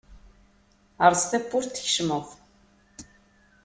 Erẓ tawwurt tkecmeḍ.